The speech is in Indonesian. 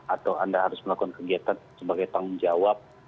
atau anda harus melakukan kegiatan sebagai tanggung jawab